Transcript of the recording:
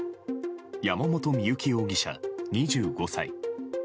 山本深雪容疑者、２５歳。